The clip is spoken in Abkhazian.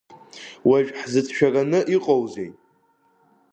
Уажә ҳзыцәшәараны иҟоузеи?